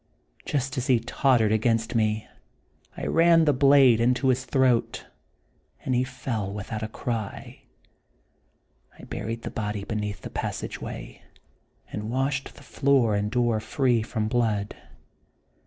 Just as he tottered against me I ran the blade into his throat, and he fell without a cry. I buried the body be neath the passage way, and washed the floor and door free from blood.